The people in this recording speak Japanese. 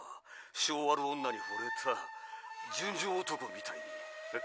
性悪女にほれた純情男みたいに。